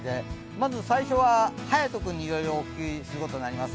まず最初ははやとくんにいろいろお聞きすることになります。